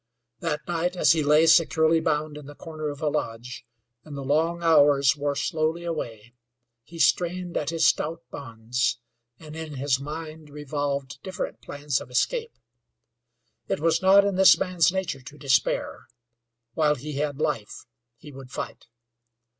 That night as he lay securely bound in the corner of a lodge, and the long hours wore slowly away, he strained at his stout bonds, and in his mind revolved different plans of escape. It was not in this man's nature to despair; while he had life he would fight.